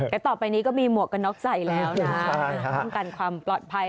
และต่อไปนี้ก็มีหมวกกันน็อกใส่แล้วนะป้องกันความปลอดภัย